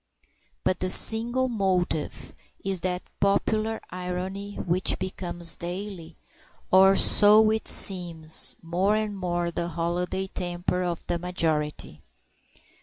But the single motive is that popular irony which becomes daily or so it seems more and more the holiday temper of the majority.